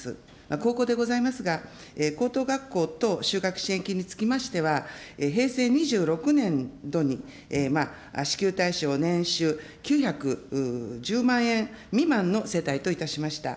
高校でございますが、高等学校等就学支援金については、平成２６年度に支給対象年収９１０万円未満の世帯といたしました。